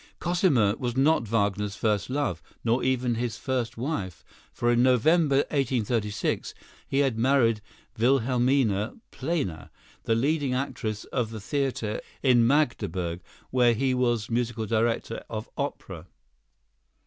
Cosima was not Wagner's first love, nor even his first wife. For in November, 1836, he had married Wilhelmina Planer, the leading actress of the theatre in Magdeburg where he was musical director of opera.